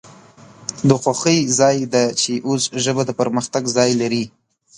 د خوښۍ ځای د چې اوس ژبه د پرمختګ ځای لري